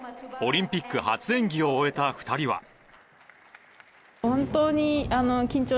オリンピック初演技を終えた２人は。